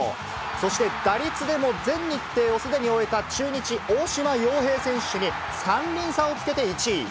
そして、打率でも全日程をすでに終えた中日、大島洋平選手に、３厘差をつけ、１位。